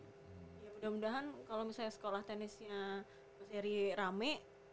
ya mudah mudahan kalau misalnya sekolah tenisnya materi rame